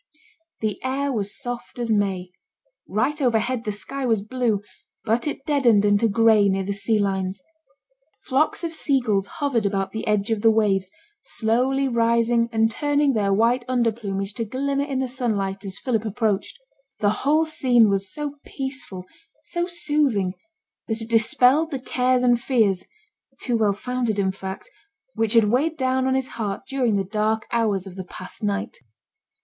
The air was soft as May; right overhead the sky was blue, but it deadened into gray near the sea lines. Flocks of seagulls hovered about the edge of the waves, slowly rising and turning their white under plumage to glimmer in the sunlight as Philip approached. The whole scene was so peaceful, so soothing, that it dispelled the cares and fears (too well founded in fact) which had weighed down on his heart during the dark hours of the past night.